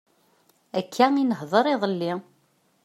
Akka i nehder iḍelli.